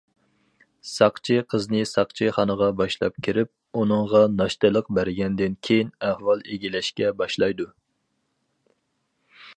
ساقچى قىزنى ساقچىخانىغا باشلاپ كىرىپ ئۇنىڭغا ناشتىلىق بەرگەندىن كېيىن ئەھۋال ئىگىلەشكە باشلايدۇ.